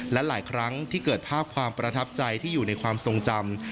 และหลายครั้งที่เกิดภาพความประทับใจที่อยู่ในความทรงจำ